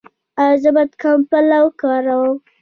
ایا زه باید کمپله وکاروم؟